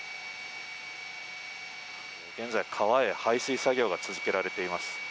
現在、川へ排水作業が続けられています。